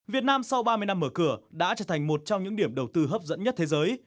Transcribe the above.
việt nam sau ba mươi năm mở cửa đã trở thành một trong những điểm đầu tư hấp dẫn nhất thế giới